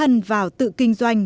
đã dấn thân vào tự kinh doanh